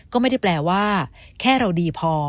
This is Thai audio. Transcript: ก็ไม่ได้แปลว่าแค่เราดีพอ